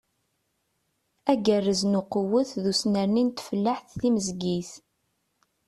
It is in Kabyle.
Agerrez n uqewwet d usnerni n tfellaḥt timezgit.